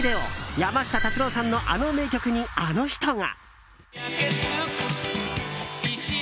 山下達郎さんのあの名曲にあの人が。